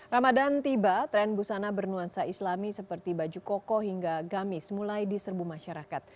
ramadan tiba tren busana bernuansa islami seperti baju koko hingga gamis mulai diserbu masyarakat